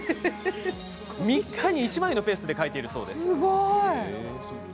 ３日に１枚のペースで描いています。